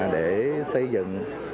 để xây dựng